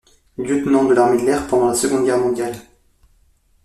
Lieutenant de l’armée de l'air pendant la Seconde Guerre mondiale.